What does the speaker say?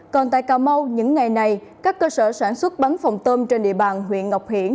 còn tại cà mau những ngày này các cơ sở sản xuất bắn phòng tôm trên địa bàn huyện ngọc hiển